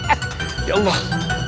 eh ya allah